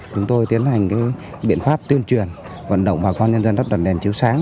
chúng tôi tiến hành biện pháp tuyên truyền vận động bà con nhân dân lắp đặt đèn chiếu sáng